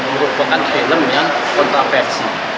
merupakan film yang kontroversi